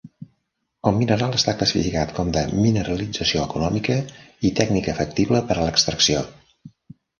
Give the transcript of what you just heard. El mineral està classificat com de mineralització econòmica i tècnica factible per a l'extracció.